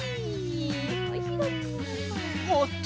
おおっと！